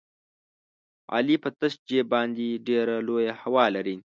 علي په تش جېب باندې ډېره لویه هوا لري.